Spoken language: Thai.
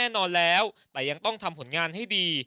แต่ยังต้องทำผลงานให้ดี